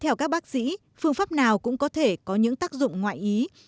theo các bác sĩ phương pháp nào cũng có thể có những tác dụng ngoại ý